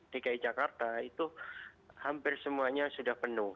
di ku jakarta itu hampir semuanya sudah penuh